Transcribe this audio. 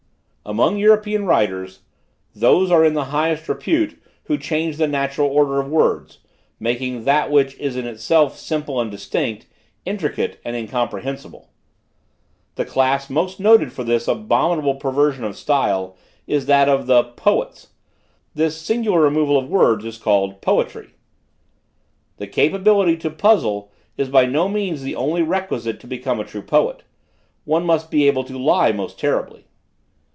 "Among European writers, those are in the highest repute, who change the natural order of words, making that which is in itself simple and distinct, intricate and incomprehensible. The class most noted for this abominable perversion of style is that of the 'poets:' this singular removal of words is called 'poetry.' The capability to puzzle is by no means the only requisite to become a true poet; one must be able to lie most terribly.